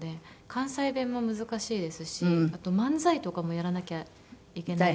関西弁も難しいですしあと漫才とかもやらなきゃいけない。